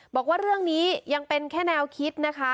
บอกว่าเรื่องนี้ยังเป็นแค่แนวคิดนะคะ